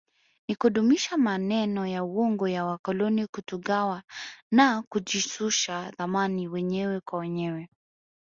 Ni kudumisha maneno ya uongo ya wakoloni kutugawa na kujishusha thamani wenyewe kwa wenyewe